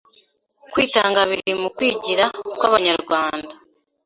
kwitanga biri mu kwigira kw’Abanyarwanda